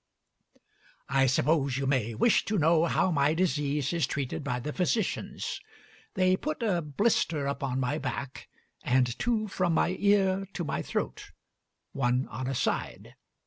"I suppose you may wish to know how my disease is treated by the physicians. They put a blister upon my back, and two from my ear to my throat, one on a side.